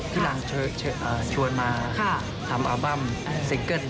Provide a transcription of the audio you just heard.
หลังชวนมาทำอัลบั้มซิงเกิ้ล